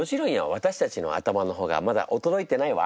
私たちの頭の方がまだ衰えてないわ。